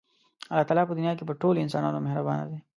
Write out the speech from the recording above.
الله تعالی په دنیا کې په ټولو انسانانو مهربانه دی.